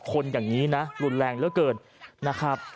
ก็ได้พลังเท่าไหร่ครับ